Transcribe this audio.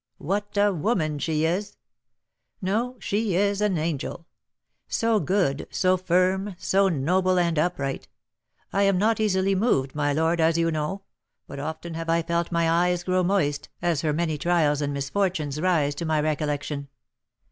What a woman she is! No, she is an angel! so good, so firm, so noble, and upright! I am not easily moved, my lord, as you know; but often have I felt my eyes grow moist, as her many trials and misfortunes rise to my recollection.